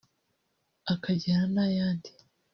Akagera n’ayandi